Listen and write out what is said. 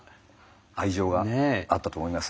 愛情があったと思います。